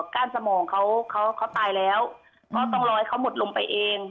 กั้นสมองเขาเขาตายแล้วก็ต้องรอให้เขาหมดลมไปเอง